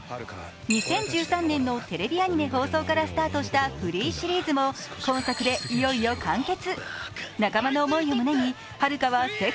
２０１３年のテレビアニメ放送からスタートした「Ｆｒｅｅ！」シリーズも今作でいよいよ完結。